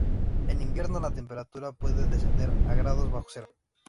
En invierno, la temperatura puede descender a grados bajo cero.